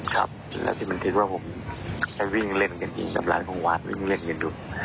ครับแล้วที่บันทึกว่าผมไปวิ่งเล่นกันจริงกับร้านของวัดวิ่งเล่นกันอยู่